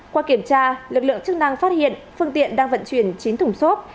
qua kiểm tra lực lượng chức năng phát hiện phương tiện đang vận chuyển chín thùng xốp